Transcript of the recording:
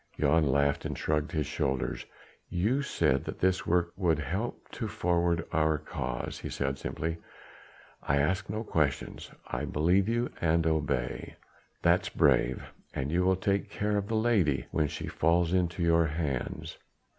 Jan laughed and shrugged his shoulders. "You said that this work would help to forward our cause," he said simply. "I ask no questions. I believe you and obey." "That's brave! And you will take great care of the lady, when she falls into your hands?"